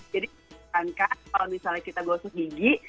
jadi jangankan kalau misalnya kita gosok gigi